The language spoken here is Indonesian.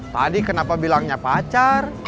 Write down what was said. tadi kenapa bilangnya pacar